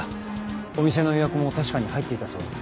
お店の予約も確かに入っていたそうです。